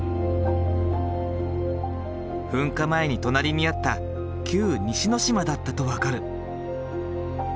噴火前に隣りにあった旧・西之島だったと分かる。